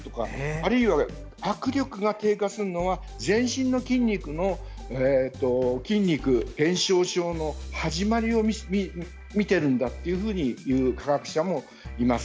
あるいは、握力が低下するのは全身の筋肉の筋肉減少症の始まりを見ているんだというふうに言う科学者もいます。